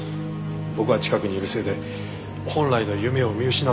僕が近くにいるせいで本来の夢を見失ってるんだ。